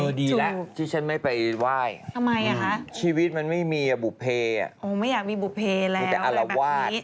เออดีแหละที่ฉันไม่ไปไหว้ชีวิตมันไม่มีอะบุเภอะมีแต่อลวาสโอ้ไม่อยากมีบุเภแล้ว